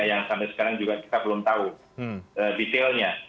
yang sampai sekarang juga kita belum tahu detailnya